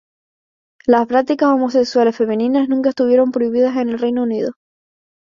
Las prácticas homosexuales femeninas nunca estuvieron prohibidas en el Reino Unido.